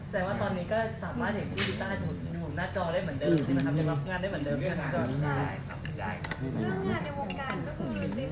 แสดงว่าตอนนี้ก็สามารถเห็นที่ดีต้าดูหน้าจอได้เหมือนเดิมได้รับงานเหมือนเดิม